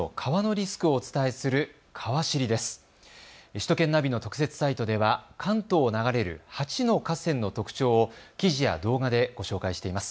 首都圏ナビの特設サイトでは関東を流れる８の河川の特徴を記事や動画でご紹介しています。